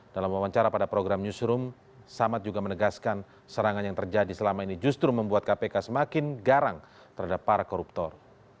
dalam wawancara pada program newsroom samad juga menegaskan serangan yang terjadi selama ini justru membuat kpk semakin garang terhadap para koruptor